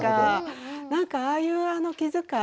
なんかああいう気遣い